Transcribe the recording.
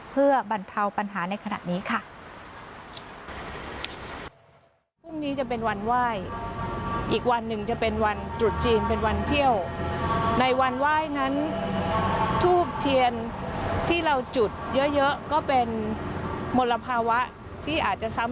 เพื่อบรรเทาปัญหาในขณะนี้ค่ะ